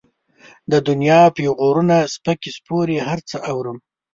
د دنيا پېغورونه، سپکې سپورې هر څه اورم.